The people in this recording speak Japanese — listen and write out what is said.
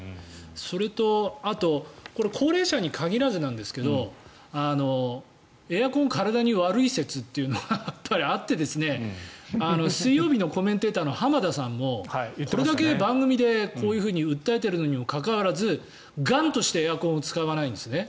それとあと高齢者に限らずなんですがエアコン体に悪い説というのがやっぱりあって水曜日のコメンテーターの浜田さんもこれだけ番組でこういうふうに訴えているにもかかわらず頑としてエアコンを使わないんですね。